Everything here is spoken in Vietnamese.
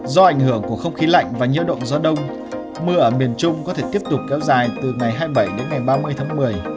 do ảnh hưởng của không khí lạnh và nhiễu động gió đông mưa ở miền trung có thể tiếp tục kéo dài từ ngày hai mươi bảy đến ngày ba mươi tháng một mươi